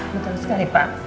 betul sekali pak